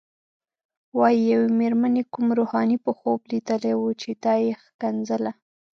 وايي یوې مېرمنې کوم روحاني په خوب لیدلی و چې دا یې ښکنځله.